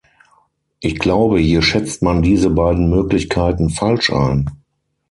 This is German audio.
Ich glaube, hier schätzt man diese beiden Möglichkeiten falsch ein.